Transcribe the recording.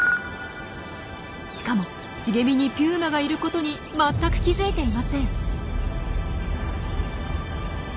しかも茂みにピューマがいることに全く気付いていません。